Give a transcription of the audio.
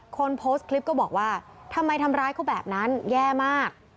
คนโพสต์คลิปก็บอกว่าทำไมทำร้ายเขาแบบนั้นแย่มาก